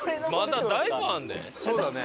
そうだね。